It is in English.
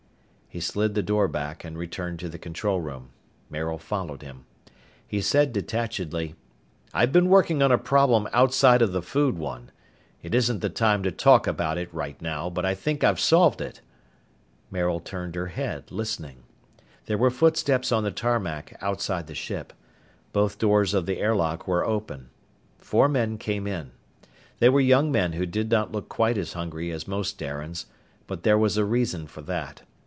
He slid the door back and returned to the control room. Maril followed him. He said detachedly, "I've been working on a problem outside of the food one. It isn't the time to talk about it right now, but I think I've solved it." Maril turned her head, listening. There were footsteps on the tarmac outside the ship. Both doors of the airlock were open. Four men came in. They were young men who did not look quite as hungry as most Darians, but there was a reason for that.